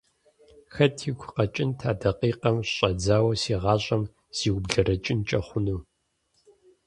Хэт игу къэкӀынт а дакъикъэм щыщӀэдзауэ си гъащӀэм зиублэрэкӀынкӀэ хъуну…